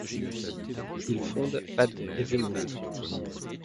Il fonde Padoue et Venise.